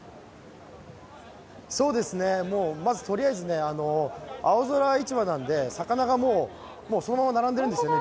そうですね、まずとりあえず青空市場なんで魚がそのまま並んでるんですよね